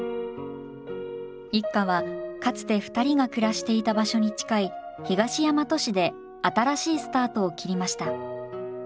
一家はかつて２人が暮らしていた場所に近い東大和市で新しいスタートを切りました。